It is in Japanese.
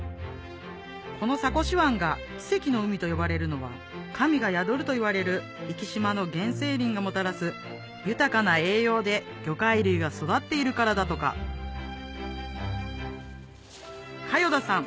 この坂越湾が奇跡の海と呼ばれるのは神が宿るといわれる生島の原生林がもたらす豊かな栄養で魚介類が育っているからだとか嘉陽田さん